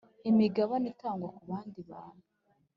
Imigabane itangwa ku bandi bantu.